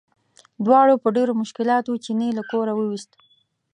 دواړو په ډېرو مشکلاتو چیني له کوره وویست.